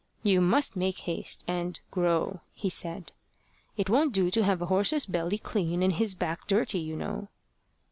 "You must make haste and, grow" he said. "It won't do to have a horse's belly clean and his back dirty, you know."